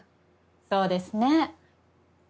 そうですね。